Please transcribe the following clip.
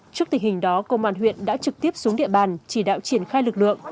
trước tình hình đó công an huyện đã trực tiếp xuống địa bàn chỉ đạo triển khai lực lượng